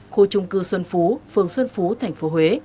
khu trung cư xuân phú phường xuân phú tp huế